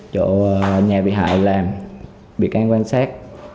chỗ nhà bị hại làm bị can quan sát